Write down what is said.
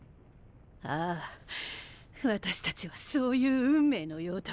ああ私たちはそういう運命のようだ。